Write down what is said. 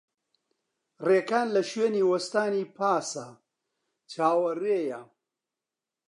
ڕێکان لە شوێنی وەستانی پاسە، چاوەڕێیە.